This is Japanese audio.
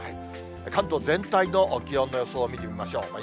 関東全体の気温の予想を見てみましょう。